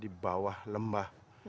di bawah lembah